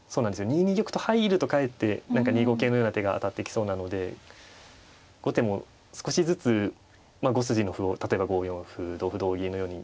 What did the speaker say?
２二玉と入るとかえって２五桂のような手が当たってきそうなので後手も少しずつ５筋の歩を例えば５四歩同歩同銀のように。